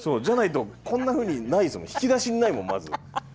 じゃないとこんなふうにないですもん引き出しにないもんまず。